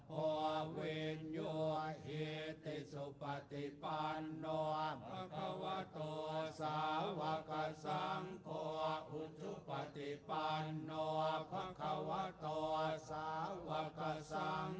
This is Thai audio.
สารทิสันทะเทวะมนุนนางพุทธโทพักขวาธรรม